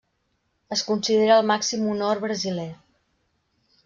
Es considera el màxim honor brasiler.